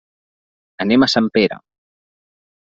Anem a Sempere.